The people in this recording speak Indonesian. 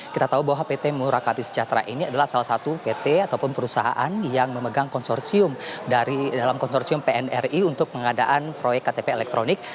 kita tahu bahwa pt murakabi sejahtera ini adalah salah satu pt ataupun perusahaan yang memegang konsorsium konsorsium pnri untuk pengadaan proyek ktp elektronik